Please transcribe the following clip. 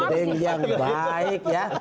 ending yang baik ya